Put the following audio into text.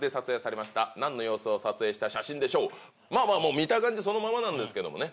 もう見た感じそのままなんですけどもね。